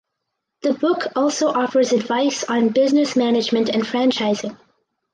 The book also offers advice on business management and franchising.